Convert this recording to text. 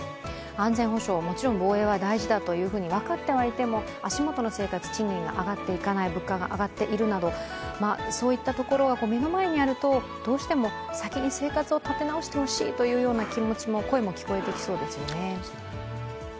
安全保障、もちろん防衛は大事だと分かっていても、足元の生活、賃金が上がっていかない、物価が上がっているということが目の前にあると、どうしても先に生活を立て直してほしいという気持ち声も聞こえてきそうですよね。